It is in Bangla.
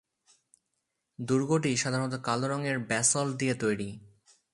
দুর্গটি সাধারণত কালো রঙের ব্যাসল্ট দিয়ে তৈরি।